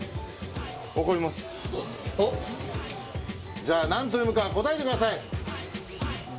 じゃあ何と読むか答えてください。